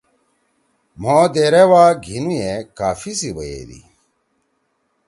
مھو دیرے وا گھیِنُو یے کافی سی بیدی۔